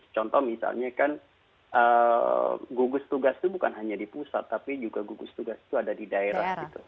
contoh misalnya kan gugus tugas itu bukan hanya di pusat tapi juga gugus tugas itu ada di daerah